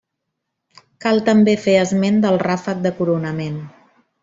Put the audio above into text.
Cal també fer esment del ràfec de coronament.